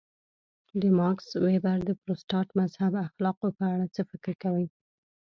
د ماکس وېبر د پروتستانت مذهب اخلاقو په اړه څه فکر کوئ.